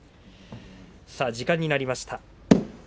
時間になりました。